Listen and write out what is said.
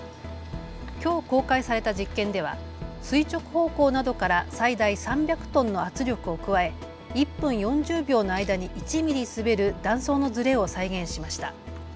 きょう公開された実験では垂直方向などから最大３００トンの圧力を加え１分４０秒の間に１ミリ滑る断層のずれを再現しました。